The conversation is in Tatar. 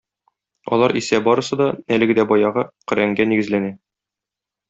Алар исә барысы да, әлеге дә баягы, Коръәнгә нигезләнә.